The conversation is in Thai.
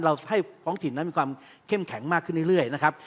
ให้ท้องถิ่นนั้นมีความเข้มแข็งมากขึ้นเรื่อยนะครับ